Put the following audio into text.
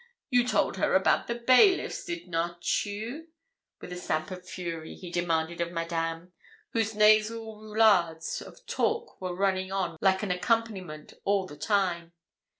You told her about the bailiffs, did not you?' with a stamp of fury he demanded of Madame, whose nasal roullades of talk were running on like an accompaniment all the time.